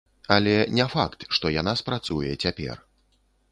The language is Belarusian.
Але не факт, што яна спрацуе цяпер.